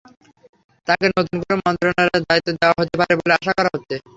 তাঁকে নতুন কোনো মন্ত্রণালয়ের দায়িত্ব দেওয়া হতে পারে বলে আশা করা হচ্ছে।